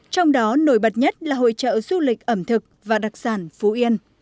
trong đó nổi bật nhất là hội trợ du lịch ẩm thực và đặc sản phú yên